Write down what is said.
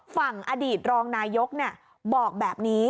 ฝั่งอดีตรองนายกบอกแบบนี้